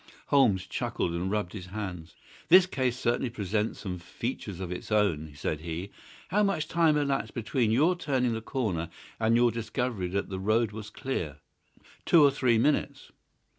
Holmes chuckled and rubbed his hands. "This case certainly presents some features of its own," said he. "How much time elapsed between your turning the corner and your discovery that the road was clear?" "Two or three minutes."